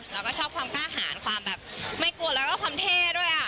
แล้วก็ชอบความกล้าหารความแบบไม่กลัวแล้วก็ความเท่ด้วย